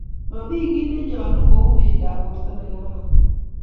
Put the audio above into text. Momi kiy nenyalo kou mindap borto nekaararan